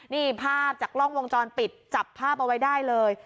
นี่ภาพจากกล้องวงจรปิดจับภาพเอาไว้ได้เลย